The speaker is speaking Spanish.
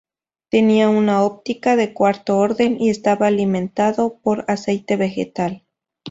Tenía una óptica de cuarto orden y estaba alimentado por aceite vegetal.